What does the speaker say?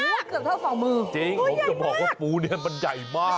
หนักเกือบเท่าสองมือจริงผมจะบอกว่าปูเนี้ยมันใหญ่มาก